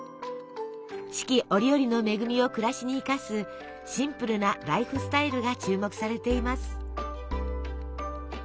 四季折々の恵みを暮らしに生かすシンプルなライフスタイルが注目されています。